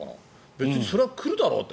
別にそれは来るだろうって。